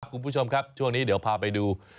คุณผู้ชมครับช่วงนี้เดี๋ยวพาไปดู